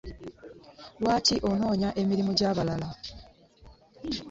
Lwaki onyooma emirimu gya balala.